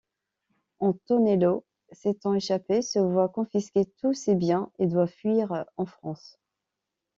Antonello, s'étant échappé, se voit confisquer tous ses biens et doir fuir en France.